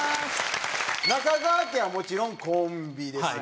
中川家はもちろんコンビですが。